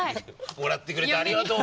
もらってくれてありがとう